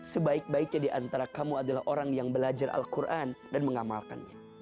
sebaik baiknya diantara kamu adalah orang yang belajar al quran dan mengamalkannya